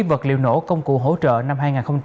vật liệu nổ công cụ hỗ trợ năm hai nghìn hai mươi ba